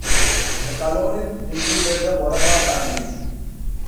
The colonists included the Moraga family.